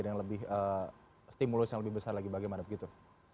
yang lebih stimulus yang lebih besar lagi bagaimana begitu